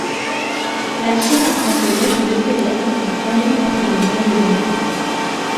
La Chine apprend que l'œuf de Céleste est tombé entre les mains des Anglais.